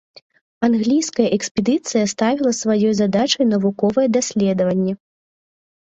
Англійская экспедыцыя ставіла сваёй задачай навуковыя даследаванні.